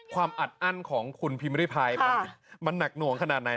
ความอัดอั้นของคุณพิมพ์พิมพายมันหนังหนวงขนาดไหน